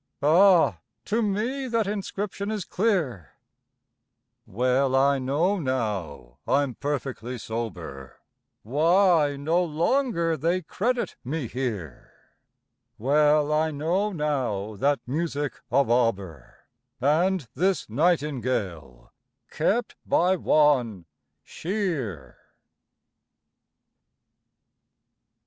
Ah! to me that inscription is clear; Well I know now, I'm perfectly sober, Why no longer they credit me here, Well I know now that music of Auber, And this Nightingale, kept by one Shear."